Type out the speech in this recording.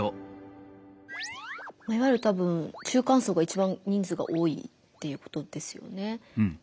いわゆるたぶん中間層が一番人数が多いっていうことですよね。